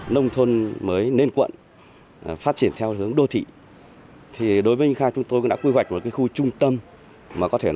nông thôn mới nền quận phát triển theo hướng đô thị đối với những khách chúng tôi cũng đã quy hoạch một khu trung tâm